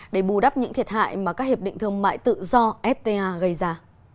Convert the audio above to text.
để bù đắp những thiệt hại mà các hiệp định thương mại tự do fta gây ra